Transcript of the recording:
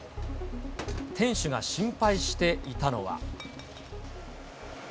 店主が心配していたのは。